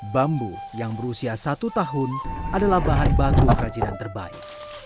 bambu yang berusia satu tahun adalah bahan baku kerajinan terbaik